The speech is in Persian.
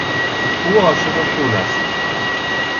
او عاشق پول است.